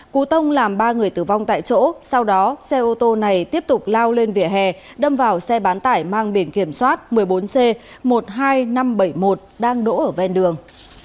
cú tông làm ba người tử vong tại chỗ sau đó xe ô tô này tiếp tục lao lên vỉa hè đâm vào xe bán tải mang biển kiểm soát một mươi bốn c một mươi hai nghìn năm trăm bảy mươi một đang đỗ ở ven đường